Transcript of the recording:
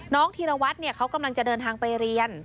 ธีรวัตรเขากำลังจะเดินทางไปเรียน